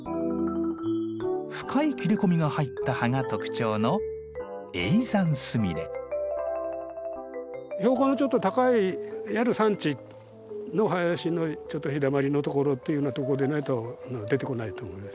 深い切れ込みが入った葉が特徴の標高のちょっと高いいわゆる山地の林のちょっと日だまりの所というようなとこでないと出てこないと思います。